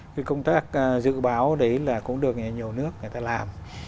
cái công tác dự báo đấy là cũng được nhiều nước người ta làm